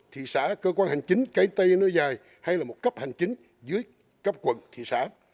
thị xã cơ quan hành chính cái tây nơi dài hay là một cấp hành chính dưới cấp quận thị xã